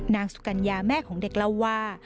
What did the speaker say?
นางสุกัญญาแม่ของเด็กเล่าว่า